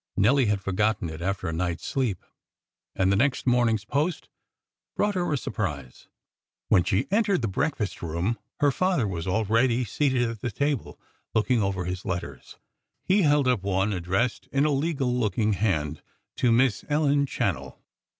Nelly had forgotten it after a night's sleep, and the next morning's post brought her a surprise. When she entered the breakfast room her father was already seated at the table looking over his letters. He held up one addressed, in a legal looking hand, to Miss Ellen Channell.